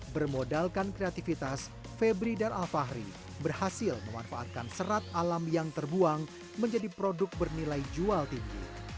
bermodalkan kreativitas febri dan alfahri berhasil memanfaatkan serat alam yang terbuang menjadi produk bernilai jual tinggi